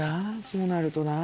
そうなるとな。